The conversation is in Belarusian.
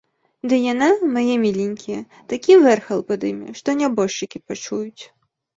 Ды яна, мае міленькія, такі вэрхал падыме, што нябожчыкі пачуюць.